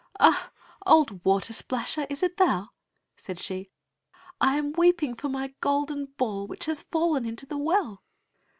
"Ah! old water splasher, is it thou?" said she; "I am weeping for my golden ball, which has fallen into the well."